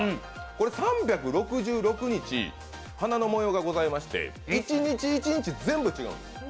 これ３６６日花の模様がございまして、一日一日全部違うんです。